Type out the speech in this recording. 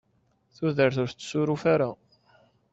Tudert ur tessuruf ara.